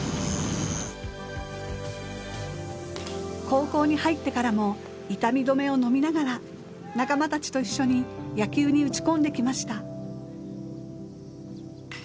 高校に入ってからも痛みどめを飲みながら仲間たちと一緒に野球に打ち込んできました。